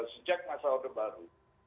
sejak masa order baru